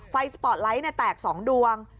สปอร์ตไลท์แตก๒ดวง